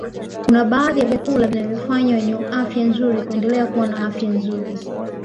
Kuna baadhi ya vyakula vinavyowafanya wenye afya nzuri kuendelea kuwa na afya nzuri